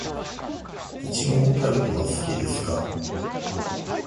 苺のタルトは好きですか。